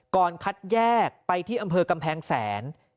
คัดแยกไปที่อำเภอกำแพงแสน